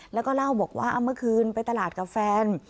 แล้วก็เล่าบอกว่าเมื่อคืนไปตลาดกับแฟน